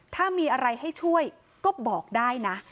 ถ้ามีอะไรให้ช่วยก็บอกได้นะ